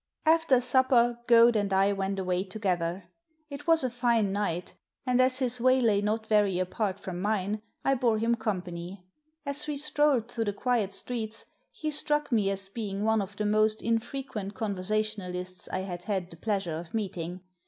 After supper Goad and I went away together. It was a fine night, and, as his way lay not very apart from mine, I bore him company. As we strolled through the quiet streets he struck me as being one of the most infrequent conversationalists I had had the pleasure of meeting.